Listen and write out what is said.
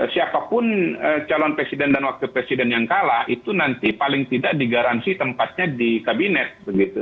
siapapun calon presiden dan wakil presiden yang kalah itu nanti paling tidak digaransi tempatnya di kabinet